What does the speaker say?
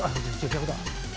逆だ。